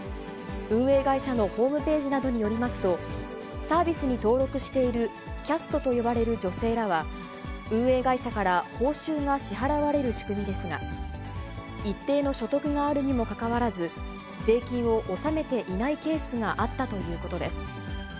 運営会社のホームページなどによりますと、サービスに登録しているキャストと呼ばれる女性らは、運営会社から報酬が支払われる仕組みですが、一定の所得があるにもかかわらず、税金を納めていないケースがあったということです。